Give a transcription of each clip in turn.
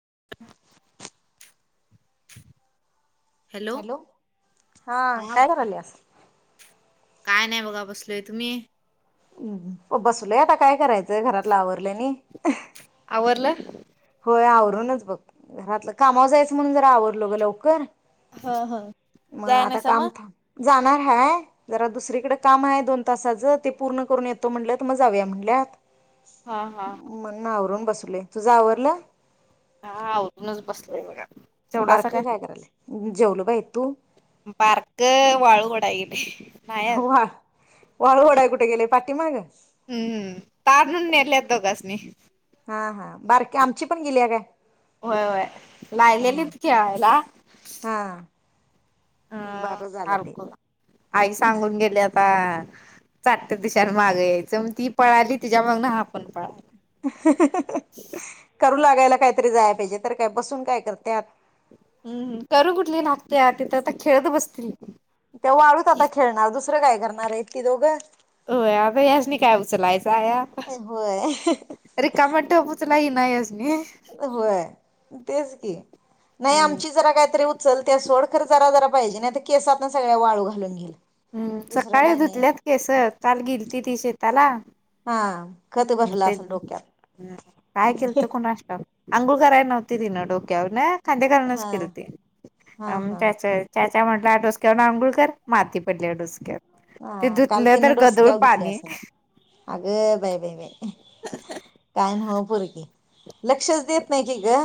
[inaudible] Hello हा काय कराल्यास? काय नाही बघा बसलोय तुम्ही? हम्म बसलोय आता काय करायचं घरातल आवरलं आणि आवरलं [inaudible] होय आवरूनच बघ घरातलं कामावर जायचं म्हणून जरा आवरलो ग लवकर हा हा मग जाया आता नाहीसा काम मग? थांब जाणार हाय जरा दुसरीकडे काम आहे दोन तासाचं ते पूर्ण करून येतो म्हणलंत मग जाऊया म्हणल्यात हा हा म्हणून आवरून बस [unintelligible] तुझ आवर [unintelligible] हा आवरूनच बसलोय बघा. जेवलासा काय? बारकं करायलय? जेवलो बाई तू? बारकं वाळू वढाय गेलय [unintelligible] नाही आजुन वा वाळू ओढाय कुठे गेलय पाठीमाग? हम्म ताट धुवून नेल्यात दोघांसनी हा हा बारकीे आमची पण गेलीया काय? होय होय लागलेली हा खेळायला हा हा बरं झालं ते हारखून आई सांगून गेल्यात हा चाट्ट दिशेन मागे यायचं. ती पळाली तिच्या मागन हा हा पण [unintelligible] [unintelligible] करू लाग [unintelligible] काहीतरी जाया पाहिजे तर काय बसून काय करत्यात? हम्म करू कुठली लागत्यात तिथ आता खेळत बसतील. त्या वाळूत आता खेळणार दुसरं दुसरं काय करणार हाईत ती दोघं होय आता यासनी काय उचलायचं हाय होय. रिकामा टप! [unintelligible] येईन आहे हेस घे होय तेच की नाही आमची जरा काहीतरी उत चल त्या सो, खर जरा-जरा पाहिजे, नाही तर केसातनं सगळ्या वाळू घालून घेईल. हम्म दुसरं सकाळी काय नाही धुतल्यात केस काल गेलती ती शेताला. हाआ तेन काय केलत कोणास ठाव. आंघोळ कराय नवती तिनं डोक्यावरनं? कांदे घालूनच केल हा. हुतें हा अम हा च्या चाय च्या चाय त्या म्हटल्या डोसक्यावरन आंघोळकर, माती पडल्या डोसक्यात. हा काल तीनं डोसक्याव घेतली असल. अगं बाई! बाई! बाई! काय नव्ह पोरगी लक्षच देत नाही की ग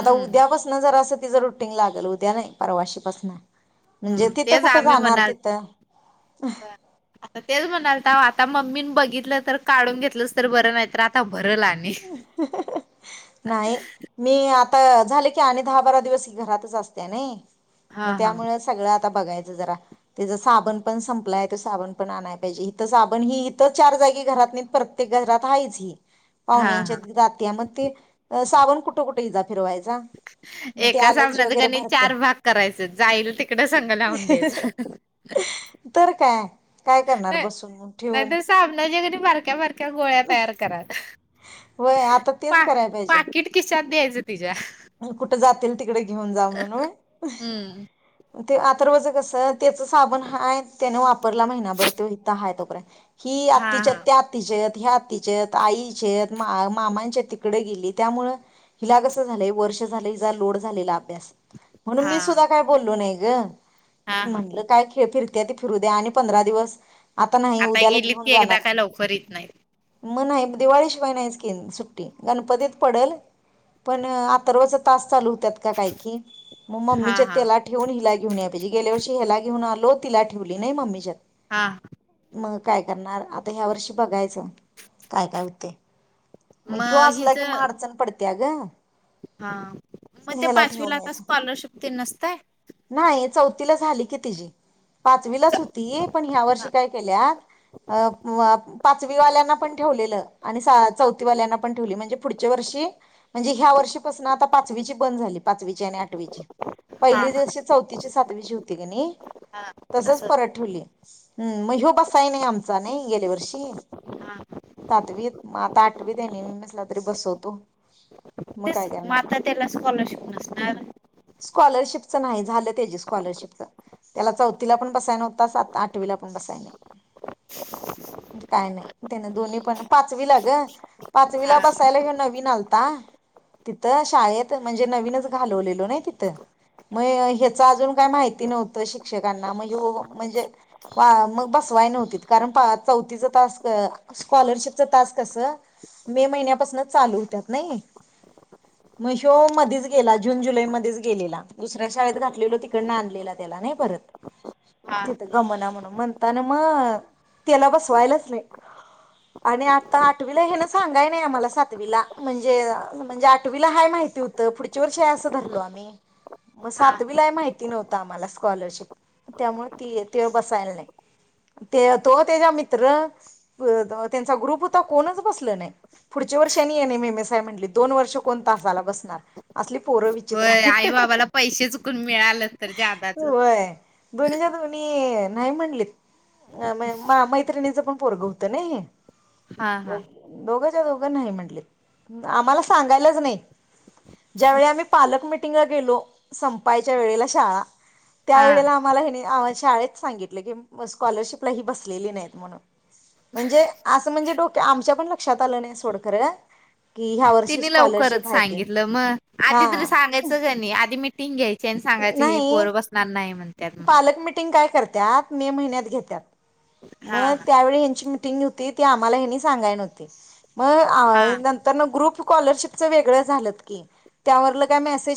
आता उद्यापासनं जरासं तिज रुटिंग लागल उद्या नाही परवाशीपासन म्हणजे तिथं तेच कुठं आम्ही जाणार म्हणाल तिथं आता तेच म्हणालताव आता मम्मीनं बघितलं तर काढून घेतलंच तर बरं, नाही तर आता हु नाही मी आत त झाले की आणि दहा बारा दिवस घरातच असत्या नइ. म हा हा त्यामुळे सगळ्यात आता बघायच जरा तिजा साबण पण संपलाय. त्यो साबण पण आणाय पाहिजे. इथं साबण ही इथं चार जागी घरात नी प्रत्येक घरात हाईच ही. हा हा. पाहुण्यांच्यात गात्या मं ते अ सावन कुठं कुठं हिजा फिरवाय एका साबणाच कणी भरत्या. चार भाग करायच जाईल तिकड संग लावून द्यायच. तर काय काय करणार बसून मग ठेवून नाहींतर साबणाचा की नाही बारक्या बारक्या गोळ्या तयार करा व्हय आता तेच कराय पाहिजे. तेज तीज्या म कुठं जातील? तिकडं घेऊन जा म्हणून हम्म ते अर्थवच कस त्याच साबण हाय त्याने वापरला महिनाभर तो हित हाय तो पर्यंत हि हा आत्तीच्यात हा त्या आत्तीच्यात ह्या आत्तीच्यत, आईच्यत, मामांच्या तिकडे गेली त्यामुळ हिला कस झालंय वर्ष झालय जा लोड झालेला अभ्यास. म्हणून मी हा सुद्धा काय बोललो नाही य हा हा म्हणलं काय खेळ फिर.... द्या की फिरू द्या आणि पंधरा दिवस नाही आता उद्याला गेलीत की एकदा काय लवकर येत नाहीत म नाही, दिवाळीशिवाय नाहीच कीन सुट्टी, गणपतीत पडल पण आप सर्वच तास चालू त्यात कां काय की, मग ममी हा चे हा त्येला ठेवून हिला घेऊन याया पाहिजे, गेल्या वर्षी ह्याला घेऊन आलो. तिला ठेवली नाही मम्मीच्यात हा मग काय करणार आता ह्या वर्षी बघायचं काय काय होते मंग ह्यो मग असला हिच की म अडचण पडती त्या ग हा मग ते ह्याला पाचवीला, ठेवून आता यायचं स्कॉलरशिप ते नसतय नाही चौथीला झाली की तिजी पाचवीलाच हा होती पण ह्या वर्षी काय केल्या आ अ पाचवी वाल्यांना पण ठेवलेलं आणि सहा चौथी वाल्यांना पण ठेवली म्हणजे पुढच्या वर्षी म्हणजे ह्या वर्षी आता पाचवीची बंद झाली पाचवीची आणि आठवीची हा पहिली दिवशी चौथी ची सात [unintelligible] हा तसच असं परत ठिवली हम्म म ह्यो बसा नाही आमचा नाही गेल्या वर्षी हा सातवीत, मं आता आठवी, देनी मी म्हसला तरी बसवतो. मग तेच काय म करणार आता त्याला स्कॉलरशिप नसणार स्कॉलरशिपच नाही झालं तेची स्कॉलरशिपच त्याला, चौथीला पण बसाय नव्हता सात आठवीला पण बसाय नाही, काय नाही त्याने दोन्ही पण पाचवीला ग हा पाचवीला बसायला घेऊ नवीन आलता. तिथ शाळेत म्हणजे नवीनच घालवलेलो न तिथ मग ह्याच अजून काय माहिती नव्हतं शिक्षकांना म्हणजे हो म्हणजे मग बसवाय नव्हती कारण चौथीच तास स्कॉलरशिपच तास कस मे महिन्यापासूनच चालू होतात नाही.... मंग ह्यो मधीच गेला जुन जुलैच मध्ये गेलेला दुसऱ्या शाळेत घातलेलो तिकड ना आणलेला त्याला नाही परत हा तिथं गमना म्हणून म्हणताना मग त्याला बसवायलाच आणि आता आठवीला हे ना सांगाय नाही आम्हाला सातवीला म्हणजे म्हणजे आ आटवीला, हाय माहिती होत पुढच्या वर्षी असं धरलो आम्ही म हा सातवीला माहिति नव्हतं आम्हाला स्कॉलरशिप, त्यामुळे ति ते बसायला नाही ते तो तेचा मित्र त्यांचा ग्रुप होता कोणच बसल नाही, पुढच्या वर्षानी N M M S I म्हनलं दोन वर्ष. कोण तासाला बसणार असली पोरं विचित्र होय आहेत आई बाबाला पैसे चुकून मिळाले तर जादाच दोनीच्या दोनी नाही म्हणलेत माय मैत्रिणीचं पण पोरगं होत ना हे हा हा दोघ दोघ च ते दोघ नाही म्हटले आम्हाला सांगायलाच की नाही ज्यावेळी आम्ही पालक मिटिंगला गेलो संपायच्या वेळेला शाळा त्या हा वेळेला आम्हाला ह्यांनी आम्हाला शाळेत सांगितलं की स्कॉलरशिपला ही बसलेली नाहीत म्हणून म्हणजे असं म्हणजे डोके आमच्या पण लक्षात आलं नाही सोड खर.. की ह्या वर्षीच खरच सांगितलं म आधी तरी सांगायच त्यांनी आ ती मिटिंग घ्याय त्यान सांगायच ही नाही पोरं बसणार नाही म्हणत्यात म्हणून पालक मिटिंग काय करत्यात मे महिन्यात घेत्यात हा म त्यावेळी यांची मि मिटिंग व्हती ती आम्हाला ह्यांनी सांगाय नव्हती म हा आ नंतर न ग्रुप कॉलरशीपच वेगळं झालत की त्यावरल काय मेसेज